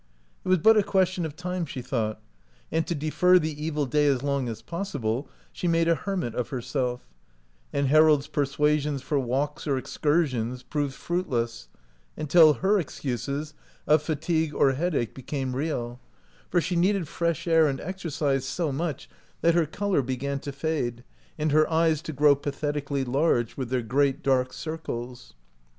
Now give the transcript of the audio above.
It was but a question of time, she thought, and to defer the evil day as long as possible she made a hermit of herself; and Harold's persuasions for walks or excursions proved fruitless, until her excuses of fatigue or headache became real, for she needed fresh air and exercise so much that her color began to fade and her eyes to grow pathetically large, with their great dark circles.